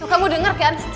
kamu denger kan